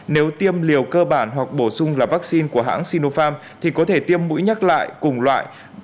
nếu tiêm liều cơ bản hoặc bổ sung là vaccine của hãng sinopharm thì có thể tiêm mũi nhắc lại cùng loại